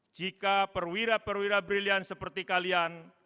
jika perwira perwira briliant seperti kalian